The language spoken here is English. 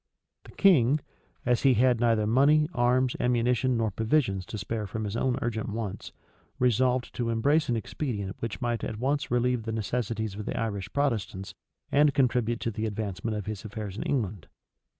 The king, as he had neither money, arms, ammunition, nor provisions to spare from his own urgent wants, resolved to embrace an expedient which might at once relieve the necessities of the Irish Protestants, and contribute to the advancement of his affairs in England.